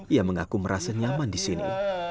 ia mengaku merasa nyaman di sini